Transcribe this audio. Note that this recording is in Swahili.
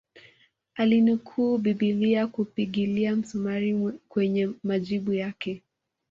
Alinukuu bibilia kupigilia msumari kwenye majibu yake